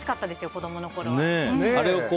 子供のころは。